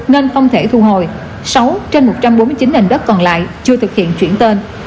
nên không thể thu hồi sáu trên một trăm bốn mươi chín nền đất còn lại chưa thực hiện chuyển tên